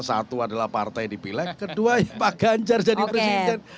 satu adalah partai yang dipilih kedua pak ganjar jadi presiden